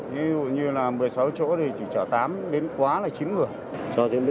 như là một mươi sáu chỗ thì chỉ chở tám đến quá là chín người